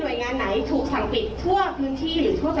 ตรงนี้หน่อย